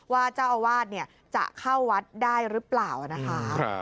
ว่าเจ้าอาวาสจะเข้าวัดได้หรือเปล่านะคะ